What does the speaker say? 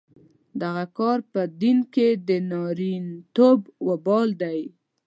دغه کار په دین کې د نارینتوب وبال دی.